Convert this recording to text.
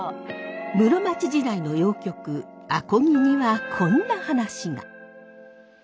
室町時代の謡曲「阿漕」にはこんな話が。